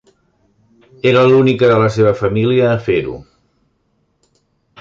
Era l'única de la seva família a fer-ho.